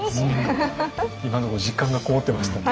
今のとこ実感がこもってましたね。